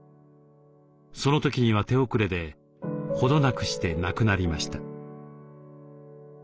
その時には手遅れで程なくして亡くなりました。